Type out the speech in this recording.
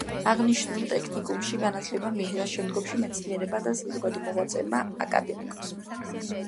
აღნიშნულ ტექნიკუმში განათლება მიიღეს, შემდგომში მეცნიერებმა და საზოგადო მოღვაწეებმა: აკად.